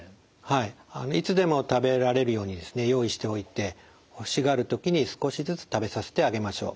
いつでも食べられるように用意しておいて欲しがる時に少しずつ食べさせてあげましょう。